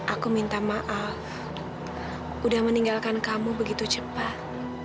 aku minta maaf udah meninggalkan kamu begitu cepat